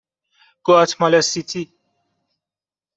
گواتمالا سیتی